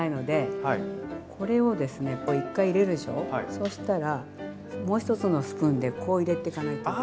そうしたらもう一つのスプーンでこう入れていかないといけない。